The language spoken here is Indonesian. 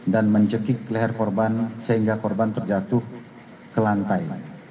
dan mencekik leher korban sehingga korban terjatuh ke lantai